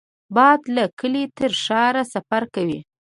باد له کلي تر ښار سفر کوي